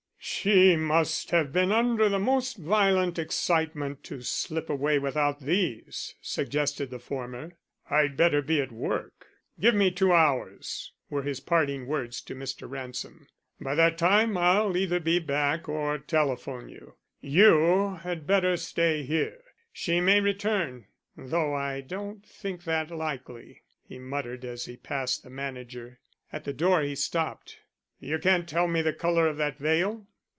"She must have been under the most violent excitement to slip away without these," suggested the former. "I'd better be at work. Give me two hours," were his parting words to Mr. Ransom. "By that time I'll either be back or telephone you. You had better stay here; she may return. Though I don't think that likely," he muttered as he passed the manager. At the door he stopped. "You can't tell me the color of that veil?"